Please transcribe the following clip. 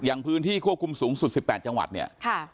อย่างพื้นที่ควบคุมสูงสุด๑๘จังหวัดเนี่ย